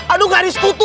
aduh garis kutu